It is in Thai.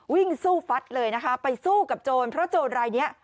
วิ่งสู้ฟัดเลยนะคะไปสู้กับโจรเพราะโจรรายนี้